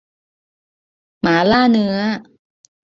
หมาล่าเนื้อ